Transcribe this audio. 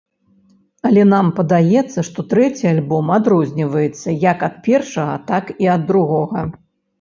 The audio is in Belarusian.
Але нам падаецца, што трэці альбом адрозніваецца як ад першага, так і ад другога.